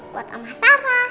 buat omah sarah